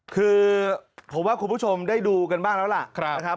คือผมว่าคุณผู้ชมได้ดูกันบ้างแล้วล่ะนะครับ